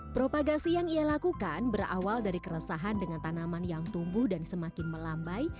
propagasi yang ia lakukan berawal dari keresahan dengan tanaman yang tumbuh dan semakin melambai